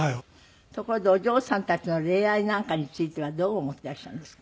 ところでお嬢さんたちの恋愛なんかについてはどう思ってらっしゃいますか？